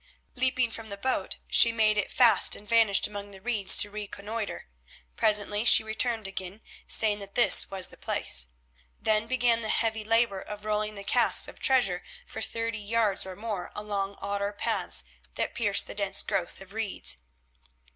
Leaping from the boat she made it fast and vanished among the reeds to reconnoitre. Presently she returned again, saying that this was the place. Then began the heavy labour of rolling the casks of treasure for thirty yards or more along otter paths that pierced the dense growth of reeds.